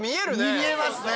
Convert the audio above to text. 見えますね！